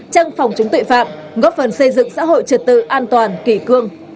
trăng phòng chống tội phạm góp phần xây dựng xã hội trật tự an toàn kỷ cương